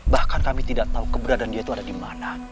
bahkan kami tidak tahu keberadaan dia itu ada di mana